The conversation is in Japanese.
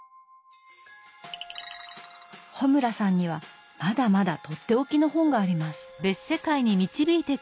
穂村さんにはまだまだとっておきの本があります。